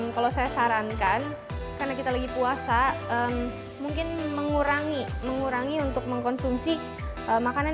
kalau saya sarankan karena kita lagi puasa mungkin mengurangi untuk mengkonsumsi makanan